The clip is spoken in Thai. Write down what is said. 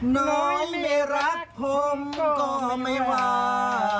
น้อยไม่รักผมก็ไม่ว่า